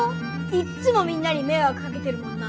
いっつもみんなにめいわくかけてるもんな。